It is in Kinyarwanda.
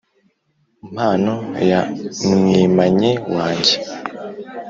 mpano ya mwimanyi wanjye